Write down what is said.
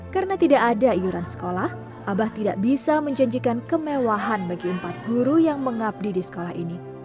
karena tidak ada iuran sekolah abah tidak bisa menjanjikan kemewahan bagi empat guru yang mengabdi di sekolah ini